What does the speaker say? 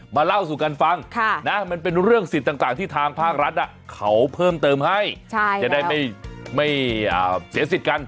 เล่าสู่กันฟังมันเป็นเรื่องสิทธิ์ต่างที่ทางภาครัฐเขาเพิ่มเติมให้จะได้ไม่เสียสิทธิ์กัน